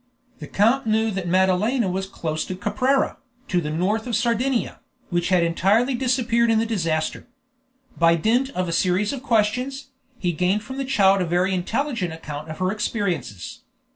The count knew that Madalena was close to Caprera, to the north of Sardinia, which had entirely disappeared in the disaster. By dint of a series of questions, he gained from the child a very intelligent account of her experiences.